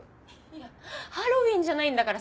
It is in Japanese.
いやハロウィーンじゃないんだからさ